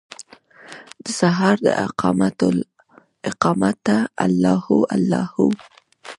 دسهار داقامته الله هو، الله هو